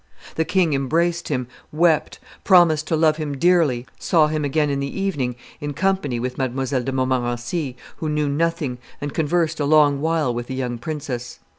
The king embraced him, wept, promised to love him dearly, saw him again in the evening in company with Mdlle. de Montmorency, who knew nothing, and conversed a long while with the young princess.